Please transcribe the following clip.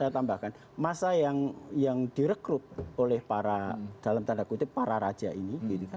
saya tambahkan masa yang direkrut oleh para dalam tanda kutip para raja ini